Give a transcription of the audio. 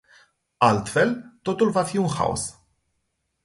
Altfel, totul va fi un haos.